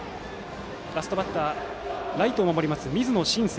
ラストバッターライトを守ります、水野伸星。